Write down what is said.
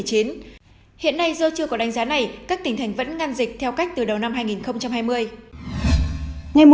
hiện nay do chưa có đánh giá này các tỉnh thành vẫn ngăn dịch theo cách từ đầu năm hai nghìn hai mươi